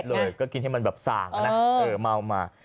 ยอดฮิตเลยก็กินให้มันแบบส่างอะนะเออเมามา